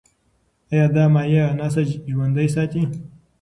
ایا دا مایع نسج ژوندی ساتي؟